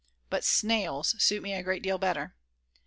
But "snails" suit me a great deal better.